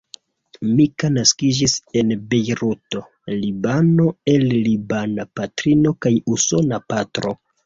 Mika naskiĝis en Bejruto, Libano el libana patrino kaj usona patro.